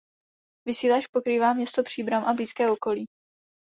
Vysílač pokrývá město Příbram a blízké okolí.